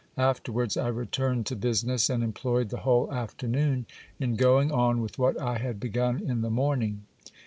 Afterwards I returned to business, and employed the whole afternoon in going on with what I had begun in the morning.